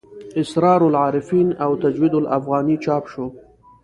اسرار العارفین او تجوید الافغاني چاپ شو.